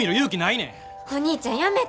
お兄ちゃんやめて。